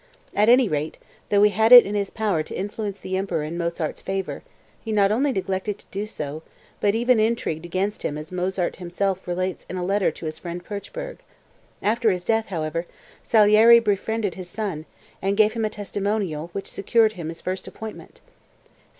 At any rate, though he had it in his power to influence the Emperor in Mozart's favor, he not only neglected to do so, but even intrigued against him as Mozart himself relates in a letter to his friend Puchberg. After his death, however, Salieri befriended his son, and gave him a testimonial which secured him his first appointment."